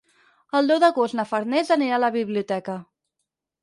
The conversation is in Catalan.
El deu d'agost na Farners anirà a la biblioteca.